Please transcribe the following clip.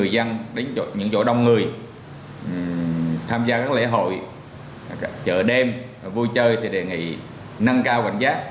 dân đến những chỗ đông người tham gia các lễ hội chợ đêm vui chơi thì đề nghị nâng cao cảnh giác